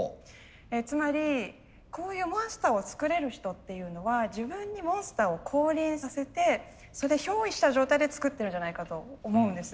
つまりこういうモンスターを作れる人っていうのは自分にモンスターを降臨させてそれで憑依した状態で作ってるんじゃないかと思うんです。